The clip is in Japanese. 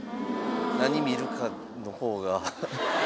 何見るかの方が。